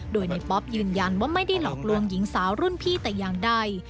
โดยในป๊อปยืนยันว่าไม่ได้หลอกลวงหญิงสาวรุ่นพี่แต่อย่างใด